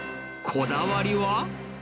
こだわりは？